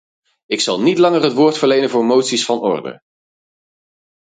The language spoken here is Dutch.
Ik zal niet langer het woord verlenen voor moties van orde.